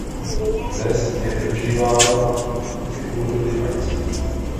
Dnes je využívána ke kulturním akcím.